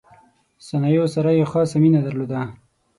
صنایعو سره یې خاصه مینه درلوده.